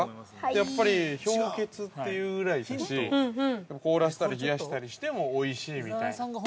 やっぱり氷穴っていうぐらいだし凍らせたり冷やしたりしてもおいしいみたいな。